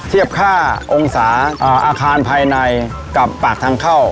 เทียบค่าองศาอาคารภายในกับปากทางเข้า